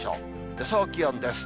予想気温です。